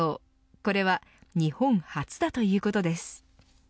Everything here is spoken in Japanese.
これは日本初だということです。